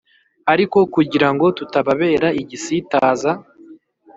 Ariko kugira ngo tutababera igisitaza